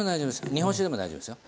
日本酒でも大丈夫ですよ。